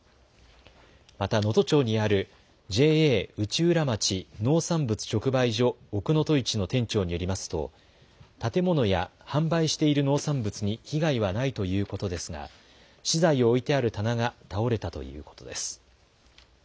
また能登町にあるＪＡ内浦町農産物直売所おくのといちの店長によりますと建物や販売している農産物に被害はないということですが資材を置いてある棚が倒れたということです。